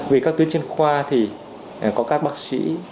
vì các tuyến chuyên khoa thì có các bác sĩ